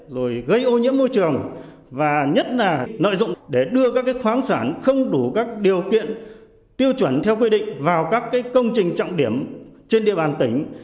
rồi gây ô nhiễm môi trường và nhất là lợi dụng để đưa các khoáng sản không đủ các điều kiện tiêu chuẩn theo quy định vào các công trình trọng điểm trên địa bàn tỉnh